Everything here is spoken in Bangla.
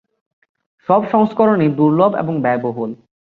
সব সংস্করণই দুর্লভ এবং ব্যয়বহুল।